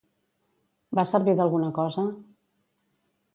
Va servir d'alguna cosa?